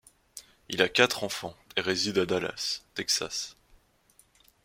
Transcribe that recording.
Il a quatre enfants et réside à Dallas, Texas.